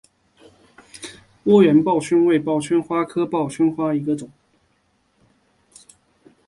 波缘报春为报春花科报春花属下的一个种。